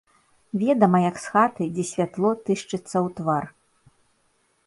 Ведама, як з хаты, дзе святло тышчыцца ў твар.